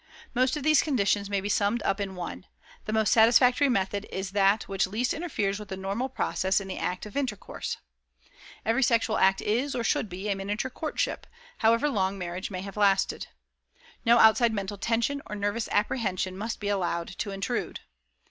Most of these conditions may be summed up in one: the most satisfactory method is that which least interferes with the normal process in the act of intercourse. Every sexual act is, or should be, a miniature courtship, however long marriage may have lasted. No outside mental tension or nervous apprehension must be allowed to intrude.